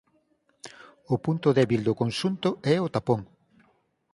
O punto débil do conxunto é o tapón.